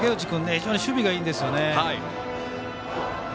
非常に守備がいいんですよね。